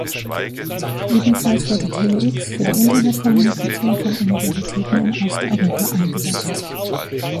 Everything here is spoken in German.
Ebenfalls wurde Tele-X für die Internet-Kommunikation von Universitäten in Osteuropa eingesetzt.